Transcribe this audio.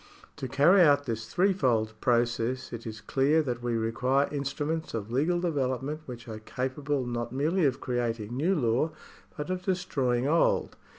To carry out this threefold process, it is clear that we require instruments of legal development which are capable not merely of creating new law, but of destroying old.